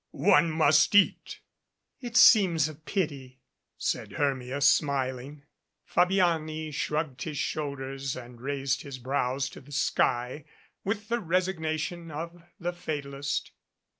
One must eat." "It seems a pity," said Hermia, smiling. Fabiani shrugged his shoulders and raised his brows to the sky, with the resignation of the fatalist.